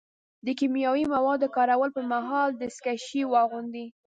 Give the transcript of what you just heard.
د کیمیاوي موادو کارولو پر مهال دستکشې واغوندئ.